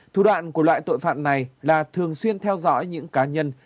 thủ đoạn của loại tội phạm này là thường xuyên theo dõi những cá nhân